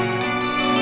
aku mau ke rumah